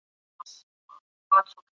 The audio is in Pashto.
حضوري ټولګي د عملي تمرينونو فرصت زيات کړی دی.